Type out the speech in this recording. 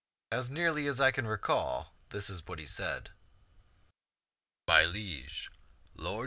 As nearly as I can recall it, this is what he said :—" My liege lord.